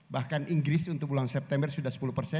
bahkan inggris untuk bulan september sudah sepuluh persen